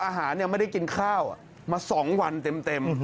อาหารไม่ได้กินข้าวมาสองวันเต็ม